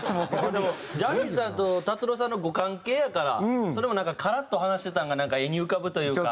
でもジャニーさんと達郎さんのご関係やからそれもカラッと話してたんが画に浮かぶというか。